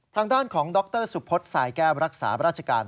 ทางด้านของดรสุพศสายแก้วรักษาราชการ